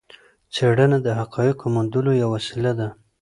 څېړنه د حقایقو موندلو یوه وسيله ده.